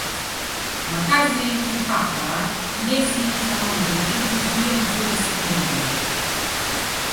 Makazi kupakwa kinyesi cha ngombe ili kuzuia mvua isipenye